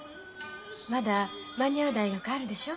まだ間に合う大学あるでしょ？